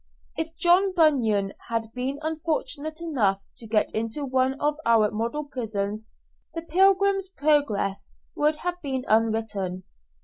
If John Bunyan had been unfortunate enough to get into one of our model prisons, the "Pilgrim's Progress" would have been unwritten.